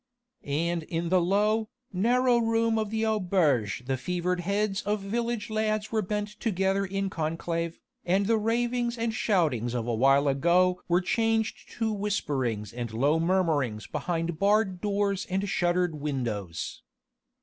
And in the low, narrow room of the auberge the fevered heads of village lads were bent together in conclave, and the ravings and shoutings of a while ago were changed to whisperings and low murmurings behind barred doors and shuttered windows.